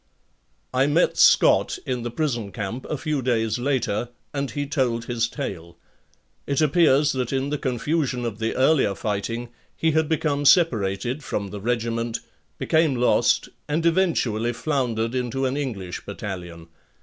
I met Scott in the prison camp a few days later and he told his tale. It appears that in the confusion of the earlier fighting he had become separated from the regiment, became lost and eventually floundered into an English battalion.